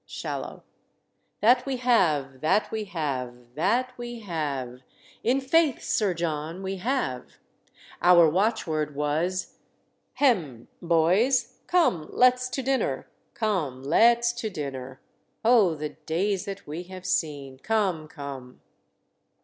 Shal. "That we have, that we have, that we have; in faith, Sir John, we have; our watchword was Hem, boys! Come, let's to dinner; come, let's to dinner. Oh, the days that we have seen! Come, come."